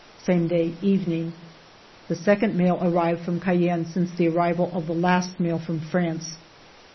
Same day, evening. The second mail received from Cayenne since the arrival of the last mail from France.